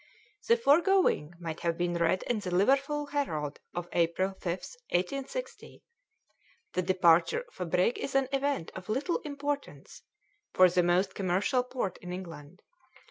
The foregoing might have been read in the Liverpool Herald of April 5th, 1860. The departure of a brig is an event of little importance for the most commercial port in England.